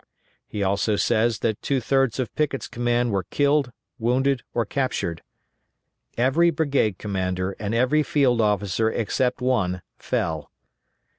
He also says that two thirds of Pickett's command were killed, wounded, or captured. Every brigade commander and every field officer except one fell.